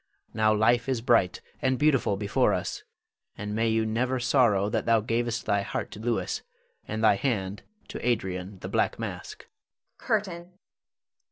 Now life is bright and beautiful before us, and may you never sorrow that thou gav'st thy heart to Louis, and thy hand to Adrian the "Black Mask." CURTAIN.